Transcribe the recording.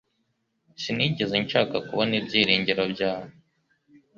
Sinigeze nshaka kubona ibyiringiro byawe